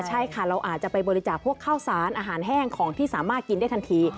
ใช่ค่ะเราอาจจะไปบริจาคพวกข้าวสารอาหารแห้งของที่สามารถกินได้ทันที